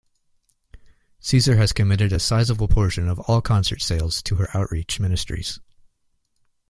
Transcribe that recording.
Caeser has committed a sizable portion of all concert sales to her outreach ministries.